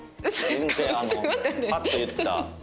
全然パッと言った。